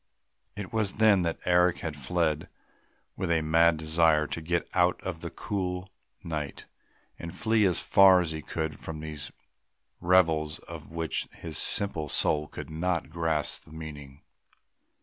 It was then that Eric had fled, with a mad desire to get out into the cool night and flee as far as he could from all these revels of which his simple soul could not grasp the meaning.